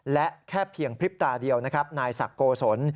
และแค่เพียงพริบตาเดียวนายสักโกศล